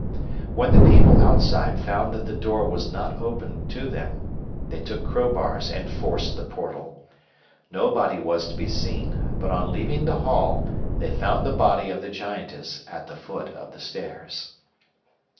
When the people outside found that the door was not opened to them, they took crowbars and forced the portal. Nobody was to be seen, but on leaving the hall they found the body of the Giantess at the foot of the stairs.